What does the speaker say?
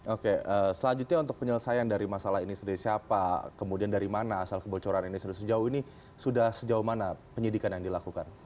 oke selanjutnya untuk penyelesaian dari masalah ini dari siapa kemudian dari mana asal kebocoran ini sejauh ini sudah sejauh mana penyidikan yang dilakukan